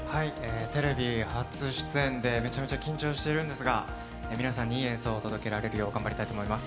テレビ初出演でめちゃめちゃ緊張してるんですが皆さんにいい演奏を届けられるよう頑張りたいと思います。